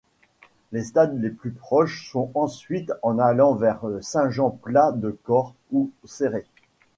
Les stades les plus proches sont ensuite en allant vers Saint-Jean-Pla-de-Corts ou Céret.